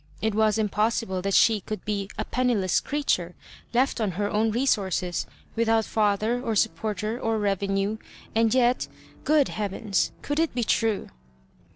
It was impossible that she could be a penniless creature, left on her own resources, without father or sup porter or revenue; and yet — good heavens I could it be true